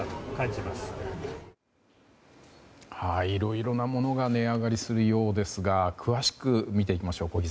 いろいろなものが値上がりするようですが詳しく見ていきましょう。